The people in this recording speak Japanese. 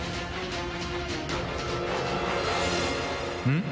うん？